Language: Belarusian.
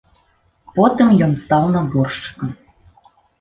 Потым ён стаў наборшчыкам.